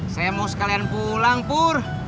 saya mau sekalian pulang pur